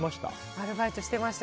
アルバイトしてました。